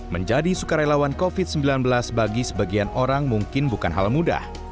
menjadi sukarelawan covid sembilan belas bagi sebagian orang mungkin bukan hal mudah